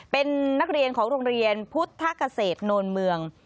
เป็นนักเรียนของโรงเรียนพุทธเกษตรโนนเมือง